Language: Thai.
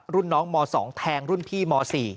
รุ่นน้องม๒แทงรุ่นพี่ม๔